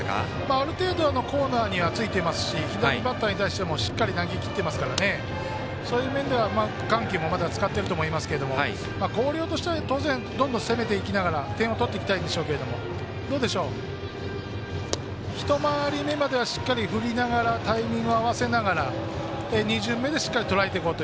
ある程度のコーナーにはついていますし左バッターに対してもしっかり投げきってますからそういう面では緩急も使っているとは思いますけど、広陵としては当然どんどん攻めていきながら点を取っていきたいですが１回り目まではしっかり振りながらタイミングを合わせながら２巡目でしっかりとらえていくと。